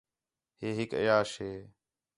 ہِے ہِک عیاش ہِے